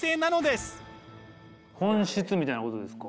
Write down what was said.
本質みたいなことですか。